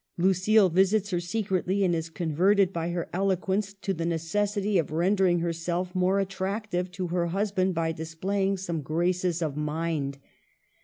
Lucile visits her secretly, and is converted by her eloquence to the necessity of rendering herself more at tractive to her husband by displaying some graces of mind.